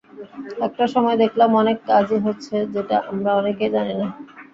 একটা সময় দেখলাম অনেক কাজই হচ্ছে, যেটা আমরা অনেকেই জানি না।